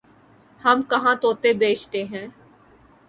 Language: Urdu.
ہم کہاں طوطے بیچتے ہیں